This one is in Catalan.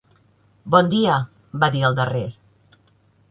"Bon dia", va dir el darrer.